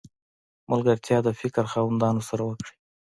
ملګرتیا د فکر خاوندانو سره وکړئ!